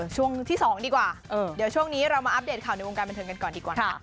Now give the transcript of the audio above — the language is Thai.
ช่วงที่๒ดีกว่าเดี๋ยวช่วงนี้เรามาอัปเดตข่าวในวงการบันเทิงกันก่อนดีกว่าค่ะ